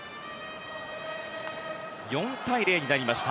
４対０になりました。